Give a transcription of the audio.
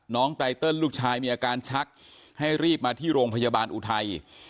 ไตเติลลูกชายมีอาการชักให้รีบมาที่โรงพยาบาลอุทัย